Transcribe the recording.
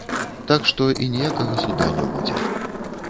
Так што і ніякага суда не будзе.